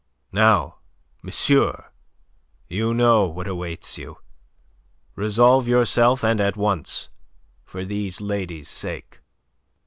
Now, monsieur, you know what awaits you. Resolve yourself and at once, for these ladies' sake."